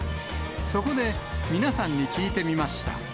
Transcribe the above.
そこで、皆さんに聞いてみました。